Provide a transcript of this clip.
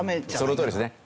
そのとおりですね。